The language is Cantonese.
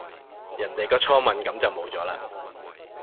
人哋個初吻咁就無咗啦